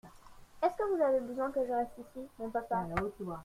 Est-ce que vous avez besoin que je reste ici, mon papa ?